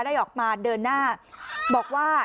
ได้ออกมาเดินหน้าบอกว่า